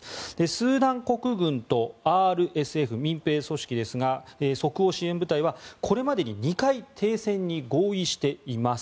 スーダン国軍とＲＳＦ・即応支援部隊はこれまでに２回、停戦に合意しています。